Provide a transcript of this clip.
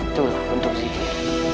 itulah untuk zikir